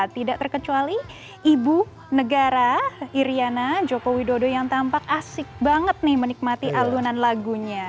tidak terkecuali ibu negara iryana joko widodo yang tampak asik banget nih menikmati alunan lagunya